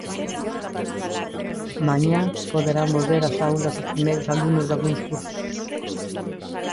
Mañá poderán volver ás aulas os primeiros alumnos dalgúns cursos.